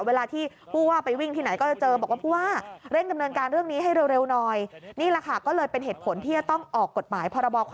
เวลาที่ผู้ว่าไปวิ่งที่ไหนก็จะเจอบอกว่าผู้ว่าเร่งกำเนินการเรื่องนี้ให้เร็วหน่อย